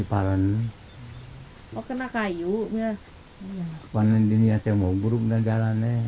pada saat ini saya mau berbual dengan jalan ini